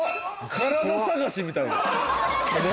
「カラダ探し」みたいな何？